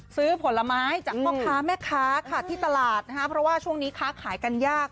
ผลไม้จากพ่อค้าแม่ค้าค่ะที่ตลาดนะคะเพราะว่าช่วงนี้ค้าขายกันยาก